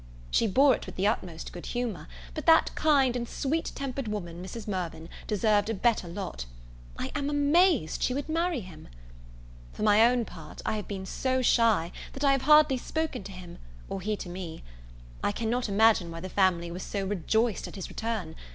She bore it with the utmost good humour; but that kind and sweet tempered woman, Mrs. Mirvan, deserved a better lot. I am amazed she would marry him. For my own part, I have been so shy, that I have hardly spoken to him, or he to me. I cannot imagine why the family was so rejoiced at his return.